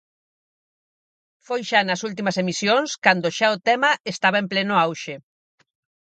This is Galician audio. Foi xa nas últimas emisións, cando xa o tema estaba en pleno auxe.